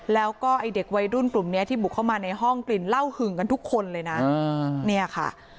แล้วก็ไอ้เด็กวัยรุ่นกลุ่มนี้ที่บุกเข้ามาในห้องกลิ่นเหล้าหึงกันทุกคนเลยนะเนี่ยค่ะ